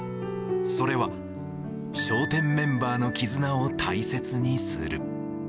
それは、笑点メンバーの絆を大切にする。